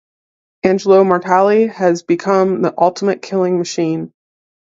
Angelo Mortalli has become the ultimate killing machine.